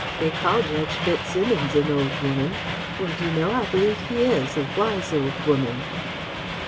They call Judge FitzSimmons 'an old woman.' Well, d'you know, I believe he is ... a wise old woman."